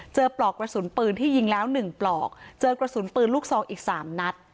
ปลอกกระสุนปืนที่ยิงแล้ว๑ปลอกเจอกระสุนปืนลูกซองอีก๓นัด